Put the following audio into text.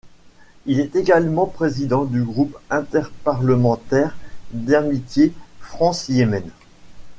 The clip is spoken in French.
Il est également président du groupe interparlementaire d'amitié France-Yémen.